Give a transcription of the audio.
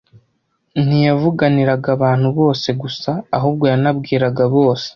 Ntiyavuganiraga abantu bose gusa ahubwo yanabwiraga bose